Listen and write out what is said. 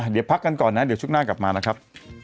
เดี๋ยวพักกันก่อนนะเดี๋ยวช่วงหน้ากลับมานะครับ